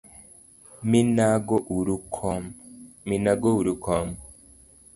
Minago uru kom.